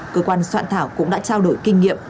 cơ quan soạn thảo cũng đã trao đổi kinh nghiệm